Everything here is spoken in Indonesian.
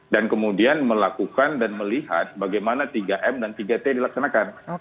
dan kemudian melakukan dan melihat bagaimana tiga m dan tiga t dilaksanakan